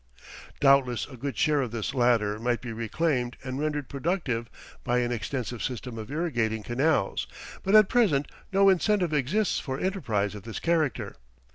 Doubtless a good share of this latter might be reclaimed and rendered productive by an extensive system of irrigating canals, but at present no incentive exists for enterprise of this character.